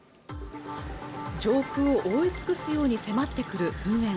上空を覆い尽くすように迫って来る噴煙